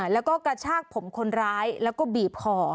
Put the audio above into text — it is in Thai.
แล้วก็กระชากผมคนร้ายแล้วก็บีบคอ